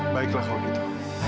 baiklah kalau begitu